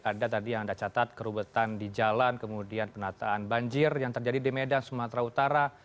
ada tadi yang anda catat kerubetan di jalan kemudian penataan banjir yang terjadi di medan sumatera utara